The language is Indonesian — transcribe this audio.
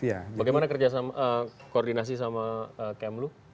bagaimana kerjasama koordinasi sama kemlu